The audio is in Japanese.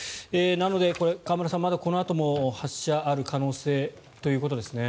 なので、河村さんまだこのあとも発射がある可能性ということですね。